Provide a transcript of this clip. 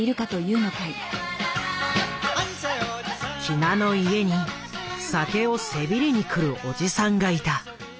喜納の家に酒をせびりにくるおじさんがいた。